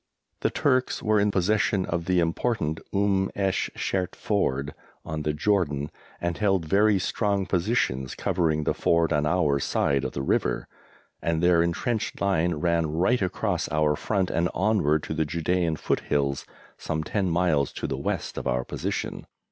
The Turks were in possession of the important Umm esh Shert Ford on the Jordan, and held very strong positions covering the ford on our side of the river, and their entrenched line ran right across our front and onward to the Judæan foothills, some ten miles to the west of our position.